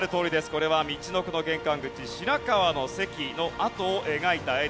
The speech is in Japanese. これは陸奥の玄関口白河の関の跡を描いた絵です。